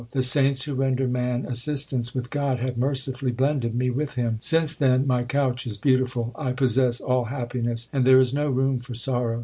The saints who render man assistance with God have mercifully blended me with Him. Since then my couch is beautiful ; I possess all happiness, and there is no room for sorrow.